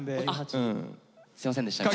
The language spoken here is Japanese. すいませんでした。